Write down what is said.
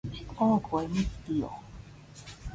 Ogoe mutio